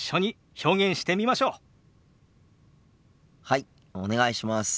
はいお願いします。